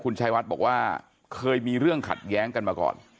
ชายวัดบอกว่าเคยมีเรื่องขัดแย้งกันมาก่อน